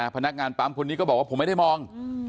พนักงานปั๊มคนนี้ก็บอกว่าผมไม่ได้มอง